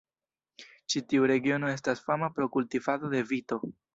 Ĉi tiu regiono estas fama pro kultivado de vito.